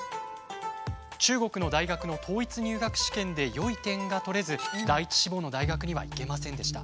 中国の大学の統一入学試験で良い点が取れず第１志望の大学には行けませんでした。